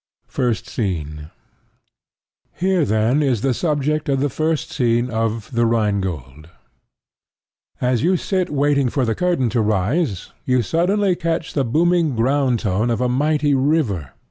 First Scene Here, then, is the subject of the first scene of The Rhine Gold. As you sit waiting for the curtain to rise, you suddenly catch the booming ground tone of a mighty river.